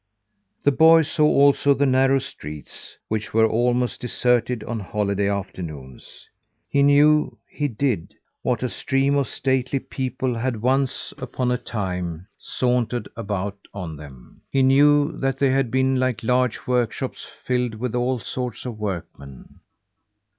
The boy saw also the narrow streets, which were almost deserted on holiday afternoons. He knew, he did, what a stream of stately people had once upon a time sauntered about on them. He knew that they had been like large workshops filled with all sorts of workmen.